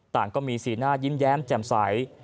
ต่างก็มีสีหน้ายิ้มแย้มแจ่มใส